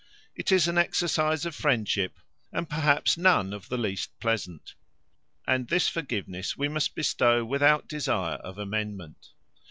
It is an exercise of friendship, and perhaps none of the least pleasant. And this forgiveness we must bestow, without desire of amendment.